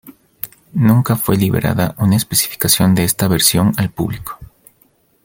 Nunca fue liberada una especificación de esta versión al público.